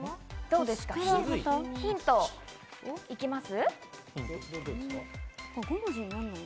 ヒント、行きます。